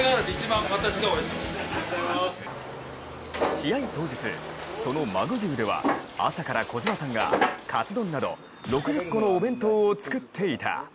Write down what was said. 試合当日、その鮪牛では朝から小島さんがかつ丼など６０個のお弁当を作っていた。